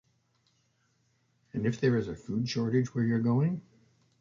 And if there is a food shortage where you’re going?